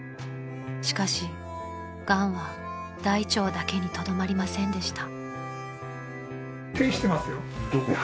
［しかしがんは大腸だけにとどまりませんでした］